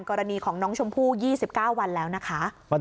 กรณีของน้องชมพู่ยี่สิบเก้าวันแล้วนะคะ